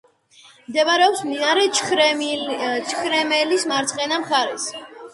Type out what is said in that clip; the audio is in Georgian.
მდებარეობს მდინარე ჩხერიმელის მარცხენა მხარეს.